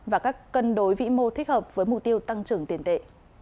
và các cân đối vĩ mô thích hợp với mục tiêu tăng trưởng tiền tệ